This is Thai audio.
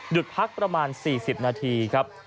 พักประมาณ๔๐นาทีครับ